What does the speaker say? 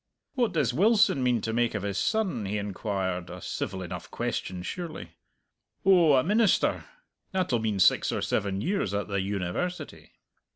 "What does Wilson mean to make of his son?" he inquired a civil enough question surely. "Oh, a minister. That'll mean six or seven years at the University."